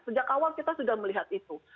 sejak awal kita sudah melihat itu